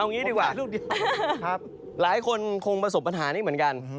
งี้ดีกว่าหลายคนคงประสบปัญหานี้เหมือนกัน